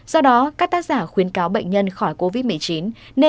do đó các tác giả khuyến cáo bệnh nhân khỏi covid một mươi chín